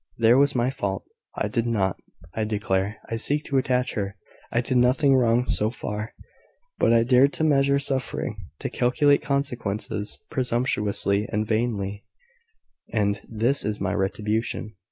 There was my fault. I did not, I declare, seek to attach her. I did nothing wrong so far. But I dared to measure suffering to calculate consequences presumptuously and vainly: and this is my retribution.